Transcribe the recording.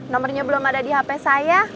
nomornya belum ada di hp saya